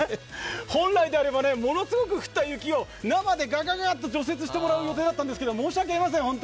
本来であればものすごく降った雪を生でガガガッと除雪してもらう予定だったんですが、申し訳ありません。